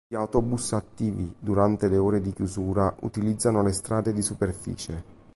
Gli autobus attivi durante le ore di chiusura utilizzano le strade di superficie.